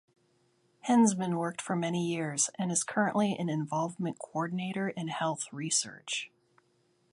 Hensman worked for many years and is currently an involvement coordinator in health research.